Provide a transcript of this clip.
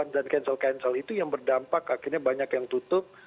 dan cancel cancel itu yang berdampak akhirnya banyak yang tutup